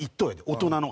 大人の。